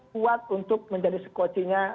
kuat untuk menjadi sekocinya